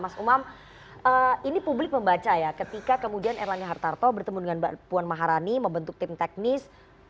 mas umam ini publik membaca ya ketika kemudian erlangga hartarto bertemu dengan mbak puan maharani membentuk tim teknis